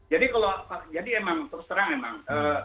jadi kalau jadi emang terus terang emang